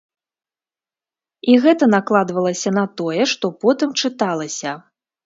І гэта накладвалася на тое, што потым чыталася.